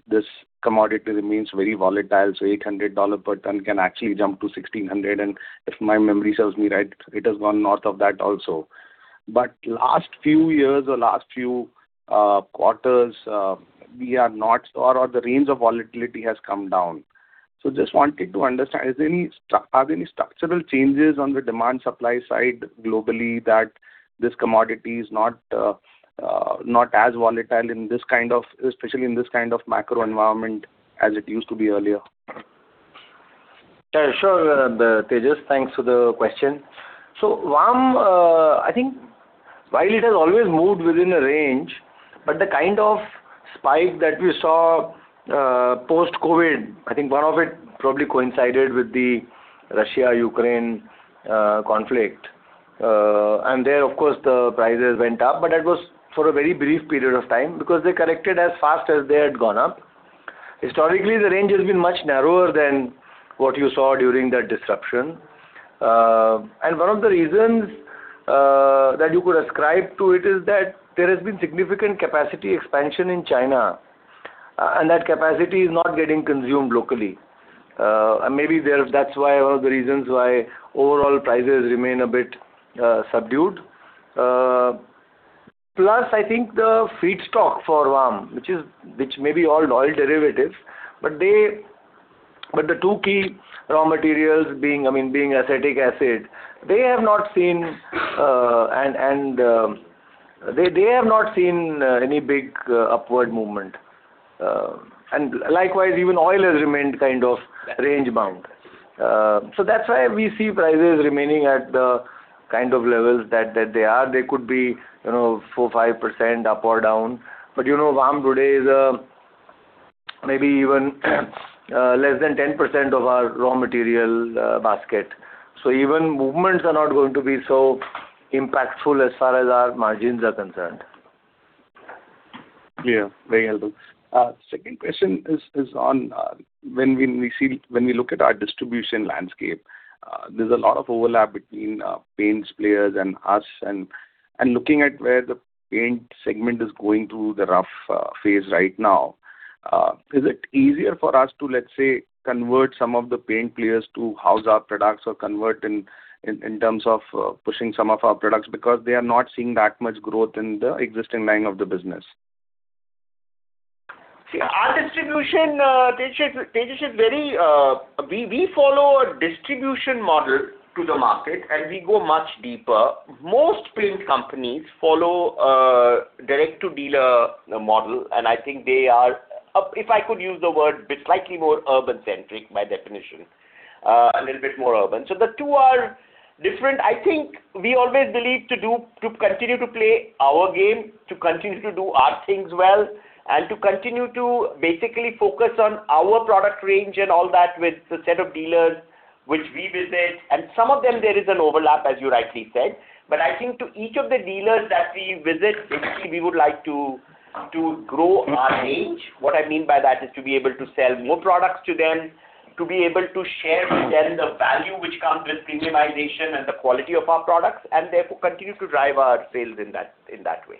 this commodity remains very volatile. So $800 per ton can actually jump to 1,600. And if my memory serves me right, it has gone north of that also. But last few years or last few quarters, we are not or the range of volatility has come down. So I just wanted to understand, are there any structural changes on the demand-supply side globally that this commodity is not as volatile in this kind of especially in this kind of macro environment as it used to be earlier? Sure. Tejas, thanks for the question. So VAM, I think while it has always moved within a range, but the kind of spike that we saw post-COVID, I think one of it probably coincided with the Russia-Ukraine conflict. And there, of course, the prices went up. But that was for a very brief period of time because they corrected as fast as they had gone up. Historically, the range has been much narrower than what you saw during that disruption. And one of the reasons that you could ascribe to it is that there has been significant capacity expansion in China. And that capacity is not getting consumed locally. And maybe that's one of the reasons why overall prices remain a bit subdued. Plus, I think the feedstock for VAM, which may be all oil derivatives, but the two key raw materials being, I mean, being acetic acid, they have not seen any big upward movement. And likewise, even oil has remained kind of range-bound. So that's why we see prices remaining at the kind of levels that they are. They could be 4%-5% up or down. But VAM today is maybe even less than 10% of our raw material basket. So even movements are not going to be so impactful as far as our margins are concerned. Yeah. Very helpful. Second question is on when we look at our distribution landscape, there's a lot of overlap between paints players and us. And looking at where the paint segment is going through the rough phase right now, is it easier for us to, let's say, convert some of the paint players to house our products or convert in terms of pushing some of our products because they are not seeing that much growth in the existing line of the business? See, our distribution, Tejas, is very. We follow a distribution model to the market, and we go much deeper. Most paint companies follow a direct-to-dealer model. I think they are, if I could use the word, slightly more urban-centric by definition, a little bit more urban. The two are different. I think we always believe to continue to play our game, to continue to do our things well, and to continue to basically focus on our product range and all that with the set of dealers which we visit. Some of them, there is an overlap, as you rightly said. I think to each of the dealers that we visit, basically, we would like to grow our range. What I mean by that is to be able to sell more products to them, to be able to share with them the value which comes with premiumization and the quality of our products, and therefore continue to drive our sales in that way.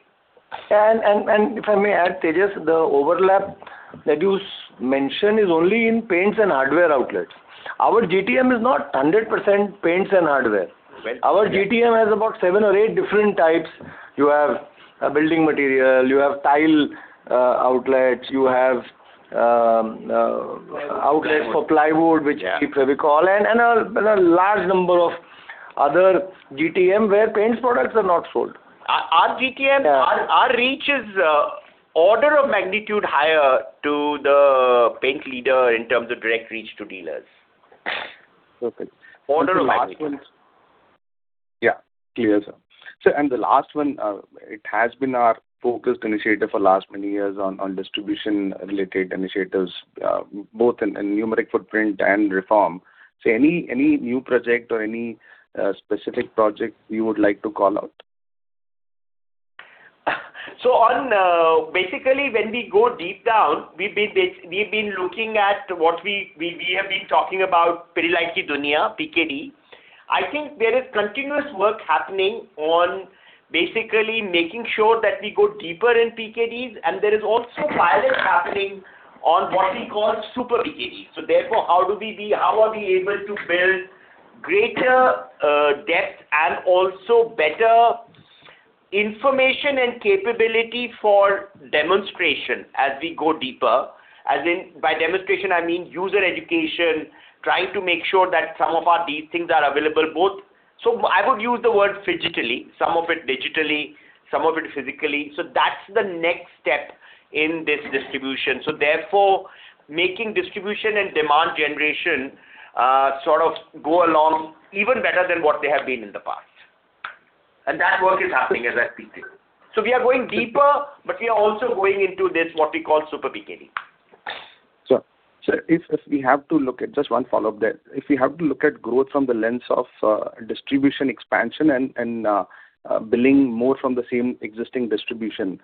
And if I may add, Tejas, the overlap that you mentioned is only in paints and hardware outlets. Our GTM is not 100% paints and hardware. Our GTM has about seven or eight different types. You have building material. You have tile outlets. You have outlets for plywood, which we call, and a large number of other GTM where paints products are not sold. Our GTM, our reach is order of magnitude higher to the paint leader in terms of direct reach to dealers, order of magnitude. Yeah. Clear, sir. And the last one, it has been our focused initiative for last many years on distribution-related initiatives, both in numeric footprint and reform. So any new project or any specific project you would like to call out? So basically, when we go deep down, we've been looking at what we have been talking about, Pidilite Ki Duniya, PKD. I think there is continuous work happening on basically making sure that we go deeper in PKDs. And there is also pilot happening on what we call super PKDs. So therefore, how do we be how are we able to build greater depth and also better information and capability for demonstration as we go deeper? As in by demonstration, I mean user education, trying to make sure that some of these things are available both so I would use the word digitally, some of it digitally, some of it physically. So that's the next step in this distribution. So therefore, making distribution and demand generation sort of go along even better than what they have been in the past. And that work is happening as a PKD. So we are going deeper, but we are also going into this, what we call super PKD. Sure. So if we have to look at just one follow-up there. If we have to look at growth from the lens of distribution expansion and billing more from the same existing distribution,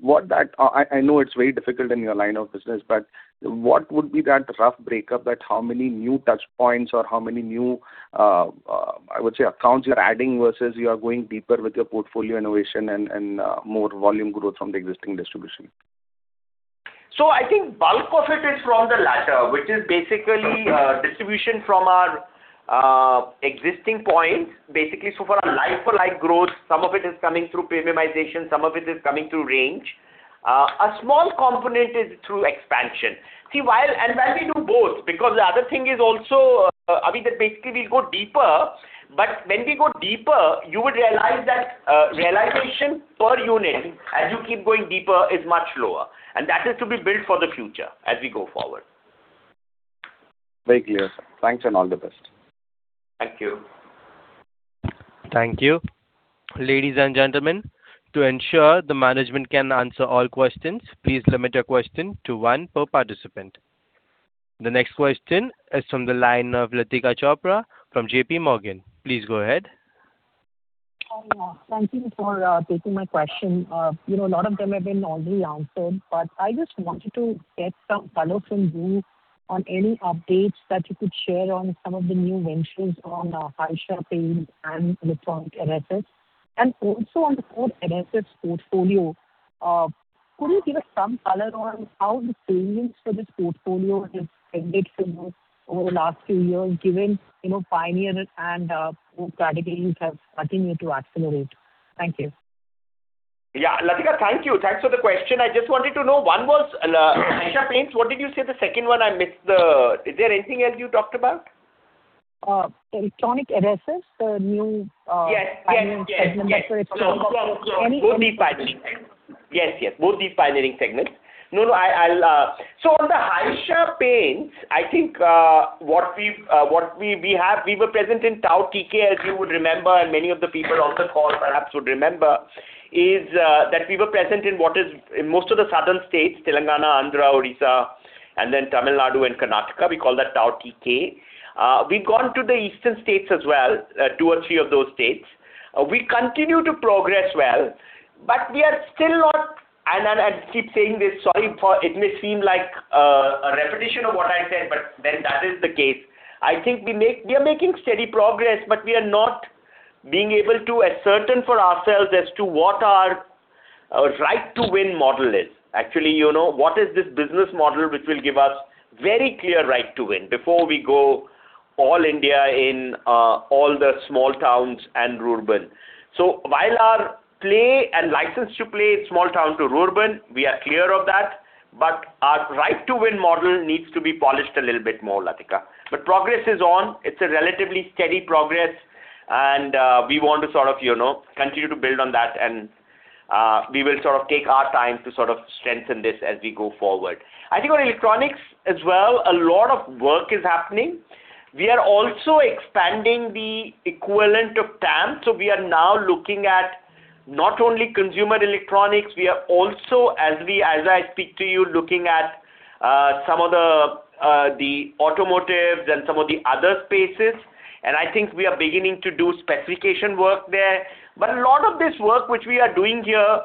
what, that I know it's very difficult in your line of business, but what would be that rough breakup that how many new touchpoints or how many new, I would say, accounts you're adding versus you are going deeper with your portfolio innovation and more volume growth from the existing distribution? So I think bulk of it is from the latter, which is basically distribution from our existing point. Basically, for our like-for-like growth, some of it is coming through premiumization. Some of it is coming through range. A small component is through expansion. See, and when we do both because the other thing is also I mean, that basically, we go deeper. But when we go deeper, you would realize that realization per unit, as you keep going deeper, is much lower. And that is to be built for the future as we go forward. Very clear, sir. Thanks and all the best. Thank you. Thank you. Ladies and gentlemen, to ensure the management can answer all questions, please limit your question to one per participant. The next question is from the line of Latika Chopra from J.P. Morgan. Please go ahead. `Thank you for taking my question. A lot of them have been already answered. But I just wanted to get some color from you on any updates that you could share on some of the new ventures on Haisha Paints, and Electronic Adhesives. And also on the Roff NSS portfolio, could you give us some color on how the savings for this portfolio has ended for you over the last few years given Pioneer and both categories have continued to accelerate? Thank you. Yeah. Latika, thank you. Thanks for the question. I just wanted to know, one was Haisha Paints. What did you say? The second one, I missed. Is there anything else you talked about? Electronic Adhesives, the new Pioneer segment. That's where it's coming from. Yes. Yes. Both these Pioneer segments. Yes. Yes. Both these Pioneer segments. No, no. So on the Haisha Paints, I think what we have we were present in TAOTK, as you would remember, and many of the people on the call perhaps would remember, is that we were present in what is most of the southern states, Telangana, Andhra, Odisha, and then Tamil Nadu and Karnataka. We call that TAOTK. We've gone to the eastern states as well, two or three of those states. We continue to progress well. But we are still not and I keep saying this. Sorry if it may seem like a repetition of what I said, but then that is the case. I think we are making steady progress, but we are not being able to ascertain for ourselves as to what our right-to-win model is. Actually, what is this business model which will give us very clear right-to-win before we go all India in all the small towns and rurban? So while our play and license to play is small town to rurban, we are clear of that. But our right-to-win model needs to be polished a little bit more, Latika. But progress is on. It's a relatively steady progress. And we want to sort of continue to build on that. And we will sort of take our time to sort of strengthen this as we go forward. I think on electronics as well, a lot of work is happening. We are also expanding the equivalent of TAM. So we are now looking at not only consumer electronics. We are also, as I speak to you, looking at some of the automotives and some of the other spaces. I think we are beginning to do specification work there. But a lot of this work which we are doing here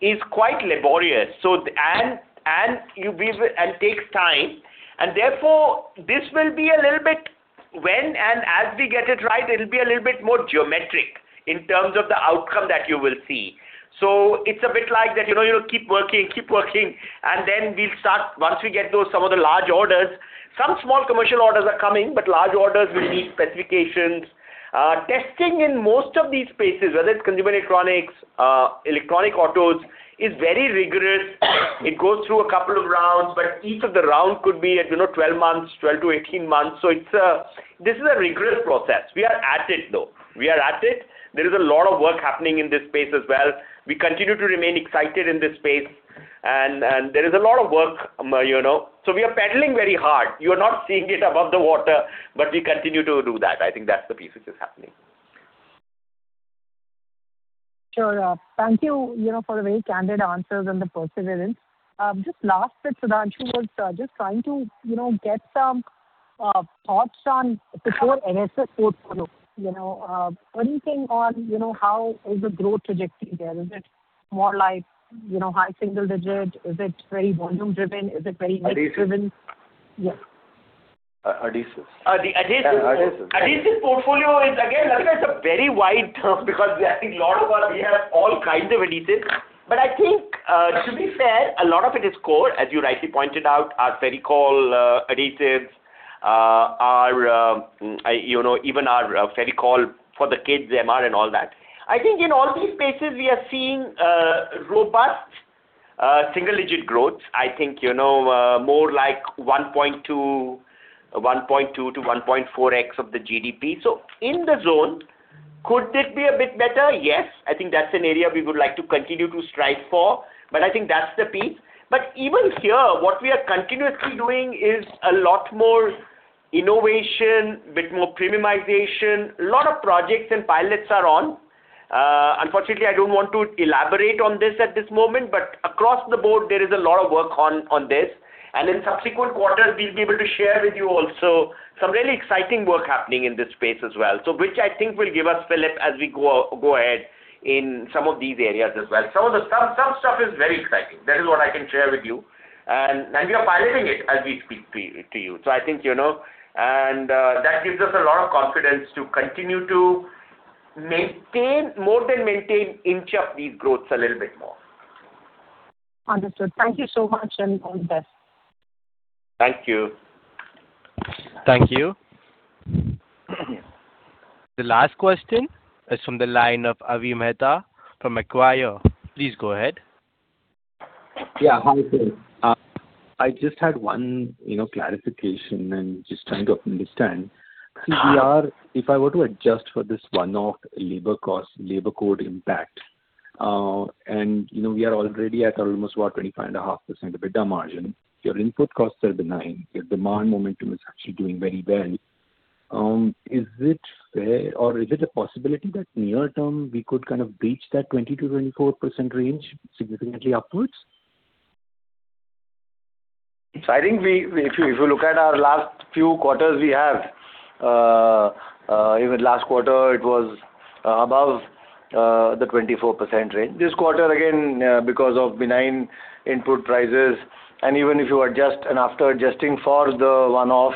is quite laborious and takes time. And therefore, this will be a little bit when and as we get it right, it'll be a little bit more geometric in terms of the outcome that you will see. So it's a bit like that you keep working, keep working. And then we'll start once we get some of the large orders. Some small commercial orders are coming, but large orders will need specifications. Testing in most of these spaces, whether it's consumer electronics, electronic autos, is very rigorous. It goes through a couple of rounds. But each of the round could be at 12 months, 12-18 months. So this is a rigorous process. We are at it, though. We are at it. There is a lot of work happening in this space as well. We continue to remain excited in this space. There is a lot of work. We are pedaling very hard. You are not seeing it above the water, but we continue to do that. I think that's the piece which is happening. Sure. Thank you for the very candid answers and the perseverance. Just last bit, Sudhanshu was just trying to get some thoughts on the Core Adhesives. Anything on how is the growth trajectory there? Is it more like high single digit? Is it very volume-driven? Is it very mixed-driven? Adhesives. Yes. Adhesives. Adhesives. Adhesives portfolio is again, Latika, it's a very wide term because I think a lot of our we have all kinds of adhesives. But I think, to be fair, a lot of it is core, as you rightly pointed out, our Fevicol adhesives, even our Fevicol for the kids, MR, and all that. I think in all these spaces, we are seeing robust single-digit growths, I think more like 1.2-1.4x of the GDP. So in the zone, could it be a bit better? Yes. I think that's an area we would like to continue to strive for. But I think that's the piece. But even here, what we are continuously doing is a lot more innovation, a bit more premiumization. A lot of projects and pilots are on. Unfortunately, I don't want to elaborate on this at this moment. But across the board, there is a lot of work on this. And in subsequent quarters, we'll be able to share with you also some really exciting work happening in this space as well, which I think will give us, fillip, as we go ahead in some of these areas as well. Some stuff is very exciting. That is what I can share with you. And we are piloting it as we speak to you. So I think and that gives us a lot of confidence to continue to more than maintain inch up these growths a little bit more. Understood. Thank you so much. All the best. Thank you. Thank you. The last question is from the line of Avi Mehta from Macquarie. Please go ahead. Yeah. Hi, Sir. I just had one clarification and just trying to understand. See, if I were to adjust for this one-off labor cost, labor code impact, and we are already at almost what, 25.5% EBITDA margin, your input costs are benign. Your demand momentum is actually doing very well. Is it fair or is it a possibility that near term, we could kind of breach that 20%-24% range significantly upwards? So I think if you look at our last few quarters we have, even last quarter, it was above the 24% range. This quarter, again, because of benign input prices. And even if you adjust and after adjusting for the one-off,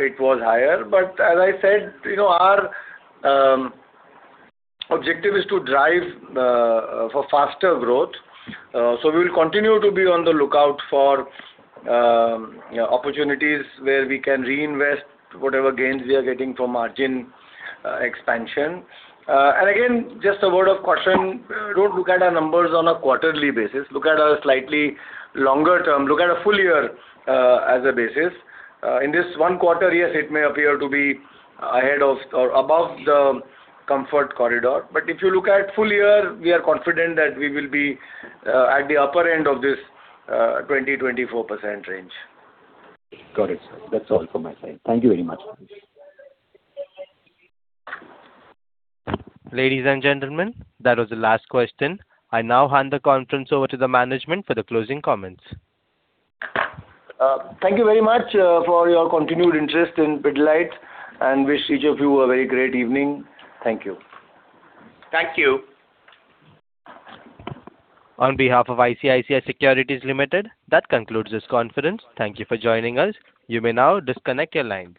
it was higher. But as I said, our objective is to drive for faster growth. So we will continue to be on the lookout for opportunities where we can reinvest whatever gains we are getting from margin expansion. And again, just a word of caution, don't look at our numbers on a quarterly basis. Look at a slightly longer term. Look at a full year as a basis. In this one quarter, yes, it may appear to be ahead of or above the comfort corridor. But if you look at full year, we are confident that we will be at the upper end of this 20%-24% range. Got it, sir. That's all from my side. Thank you very much. Ladies and gentlemen, that was the last question. I now hand the conference over to the management for the closing comments. Thank you very much for your continued interest in Pidilite and wish each of you a very great evening. Thank you. Thank you. On behalf of ICICI Securities Limited, that concludes this conference. Thank you for joining us. You may now disconnect your lines.